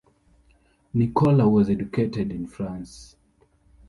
Nikola was educated in France.